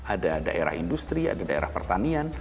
ada daerah industri ada daerah pertanian